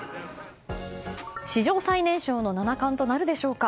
史上最年少の七冠となるでしょうか。